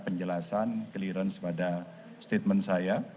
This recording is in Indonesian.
penjelasan clearance pada statement saya